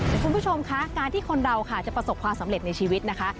แต่คุณผู้ชมคะการที่คนเราค่ะจะประสบความสำเร็จในชีวิตนะคะ